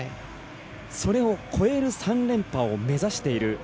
それを超える３連覇を目指している。